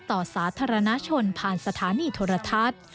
สาธารณชนผ่านสถานีโทรทัศน์